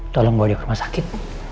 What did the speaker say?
tolong bawa ke rumah sakit